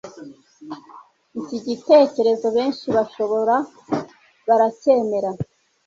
iki gitekerezo benshi bashoboka baracyemera